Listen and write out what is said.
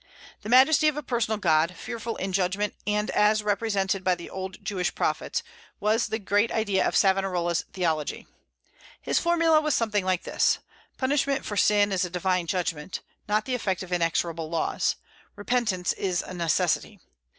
The majesty of a personal God, fearful in judgment and as represented by the old Jewish prophets, was the great idea of Savonarola's theology. His formula was something like this: "Punishment for sin is a divine judgment, not the effect of inexorable laws. Repentance is a necessity.